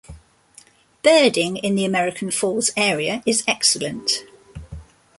Birding in the American Falls area is excellent.